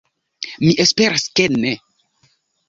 Mi esperas ke ne.